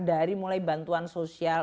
dari mulai bantuan sosial